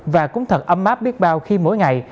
và cũng thật ấm áp biết bao khi mỗi ngày